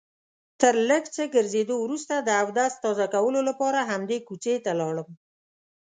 تر لږ څه ګرځېدو وروسته د اودس تازه کولو لپاره همدې کوڅې ته لاړم.